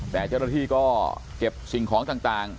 แต่เจ้าหน้าที่ก็เก็บสิ่งของต่าง